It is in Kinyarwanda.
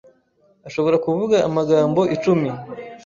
ashobora kuvuga amagambo icumi